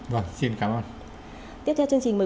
vâng xin cảm ơn tiếp theo chương trình mời